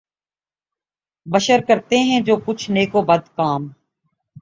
بشر کرتے ہیں جو کچھ نیک و بد کام